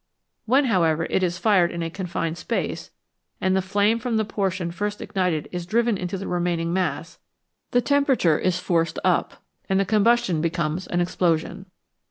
When, however, it is fired in a confined space, and the flame from the portion first ignited is driven into the remaining mass, the tem perature is forced up and the combustion becomes an explosion.